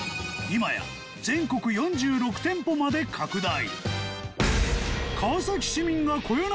今や全国４６店舗まで拡大